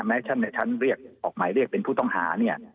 ในชั้นในชั้นเรียกออกหมายเรียกเป็นผู้ต้องหาเนี่ย